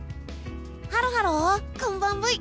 ハロハロこんばんブイ！